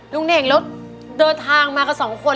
ลุงเน่งรถเดินทางมากับสองคน